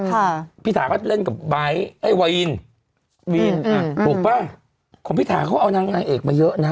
ค่ะพี่ถาเขาจะเล่นกับไวน์อืมถูกป่ะของพี่ถาเขาเอานางนางเอกมาเยอะนะ